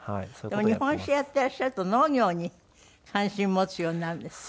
でも日本酒やっていらっしゃると農業に関心持つようになるんですって？